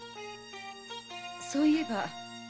そう言えば。